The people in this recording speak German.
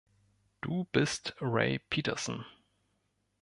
Du bist Ray Peterson.